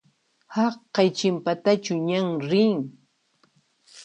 Haqay chinpatachu ñan rin?